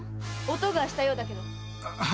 音がしたようだけど。